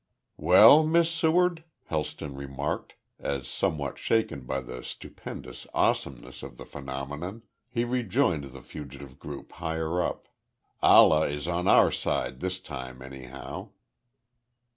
"Well, Miss Seward," Helston remarked, as somewhat shaken by the stupendous awesomeness of the phenomenon, he rejoined the fugitive group, higher up. "Allah is on our side this time anyhow."